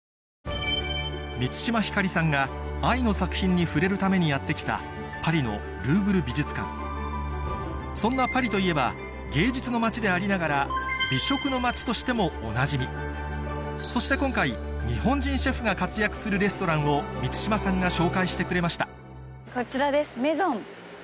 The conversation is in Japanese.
満島ひかりさんが愛の作品に触れるためにやって来たパリのそんなパリといえば芸術の街でありながら美食の街としてもおなじみそして今回を満島さんが紹介してくれましたこちらです「メゾン」。